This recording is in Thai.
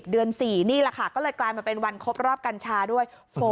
เดือน๔นี่แหละค่ะก็เลยกลายมาเป็นวันครบรอบกัญชาด้วย